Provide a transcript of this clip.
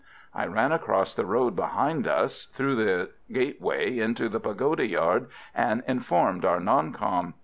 _" I ran across the road behind us, through the gateway into the pagoda yard, and informed our "non com."